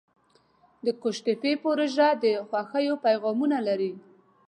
د قوشتېپې پروژه د خوښیو پیغامونه لري.